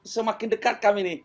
semakin dekat kami ini